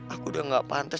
aku udah gak pantes